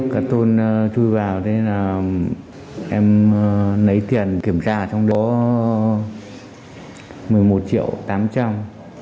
cả tôn chui vào em lấy tiền kiểm tra trong đó một mươi một triệu tám trăm